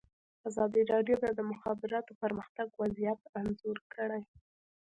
ازادي راډیو د د مخابراتو پرمختګ وضعیت انځور کړی.